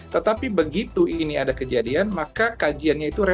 tetapi begitu ini ada kejadian maka kajiannya itu relatif